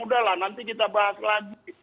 udah lah nanti kita bahas lagi